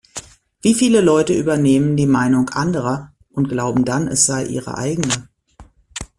Wie viele Leute übernehmen die Meinung anderer und glauben dann, es sei ihre eigene?